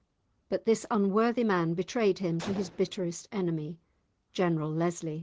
But this unworthy man betrayed him to his bitterest enemy, General Lesly.